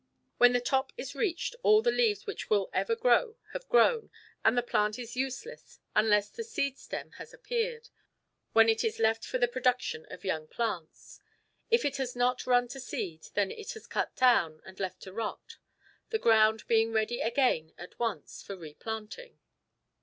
When the top is reached all the leaves which will ever grow have grown and the plant is useless unless the seed stem has appeared, when it is left for the production of young plants. If it has not run to seed, then it is cut down and left to rot, the ground being ready again at once for replanting.